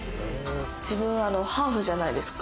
自分、ハーフじゃないですか。